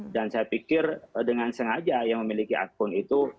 dan saya pikir dengan sengaja yang memiliki akun itu